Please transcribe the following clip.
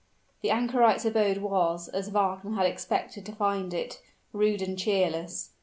The anchorite's abode was, as Wagner had expected to find it, rude and cheerless.